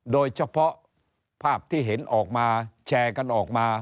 โดยเฉพาะภาพที่เห็นออกมาแชร์กันออกมา